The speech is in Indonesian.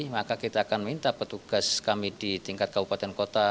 maka kita akan minta petugas kami di tingkat kabupaten kota